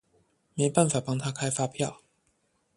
沒辦法幫他開發票